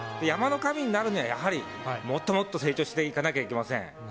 山の神になるにはやはり、もっともっと成長していかなければいけません。